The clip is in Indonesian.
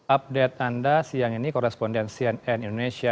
update anda siang ini koresponden cnn indonesia